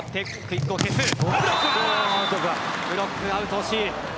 ブロックアウト、惜しい。